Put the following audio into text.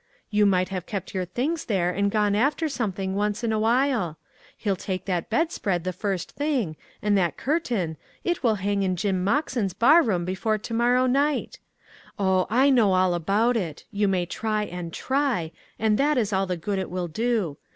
You might have kept your things there and gone after something once in awhile. He'll take that bedspread the first thing, and that cur "WHAT is THE USE?" 207 tain, it will hang in Jim Moxen's bar room before to morrow night. Oh I I know all about it ; you may try and try, and that is all the good it will do.